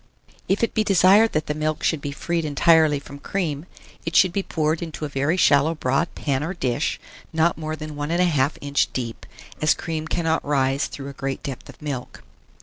1627. If it be desired that the milk should be freed entirely from cream, it should be poured into a very shallow broad pan or dish, not more than 1 1/2 inch deep, as cream cannot rise through a great depth of milk.